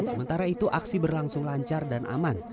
sementara itu aksi berlangsung lancar dan aman